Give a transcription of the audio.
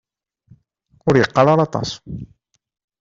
Ur yeqqar ara aṭas.